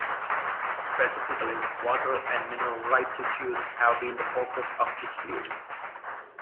Specifically, water and mineral rights issues have been the focus of dispute.